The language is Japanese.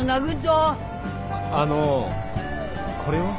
あのうこれは？